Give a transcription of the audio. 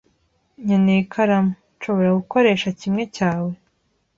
Nkeneye ikaramu. Nshobora gukoresha kimwe cyawe?